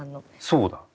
そうだ！